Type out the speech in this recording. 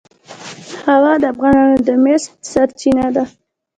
هوا د افغانانو د معیشت سرچینه ده.